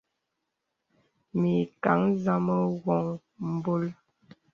Mìkàŋ zàmā wōŋ mbòl.